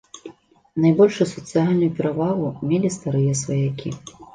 Найбольшую сацыяльную перавагу мелі старыя сваякі.